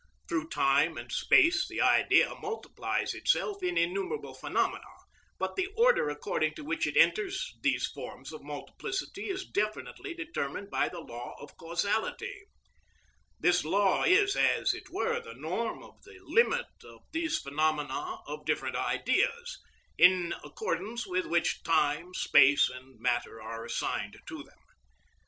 Through time and space the Idea multiplies itself in innumerable phenomena, but the order according to which it enters these forms of multiplicity is definitely determined by the law of causality; this law is as it were the norm of the limit of these phenomena of different Ideas, in accordance with which time, space, and matter are assigned to them.